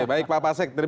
baik pak pasek